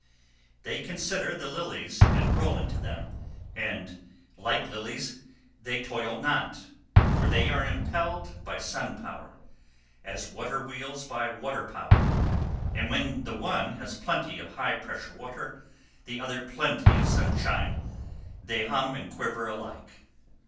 They consider the lilies and roll into them, and, like lilies, they toil not, for they are impelled by sun power, as water wheels by water power; and when the one has plenty of high pressure water, the other plenty of sunshine, they hum and quiver alike.